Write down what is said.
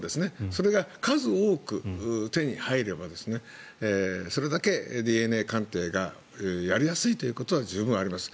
それが数多く手に入ればそれだけＤＮＡ鑑定がやりやすいということは十分あり得ます。